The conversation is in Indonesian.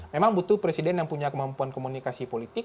memang butuh presiden yang punya kemampuan komunikasi politik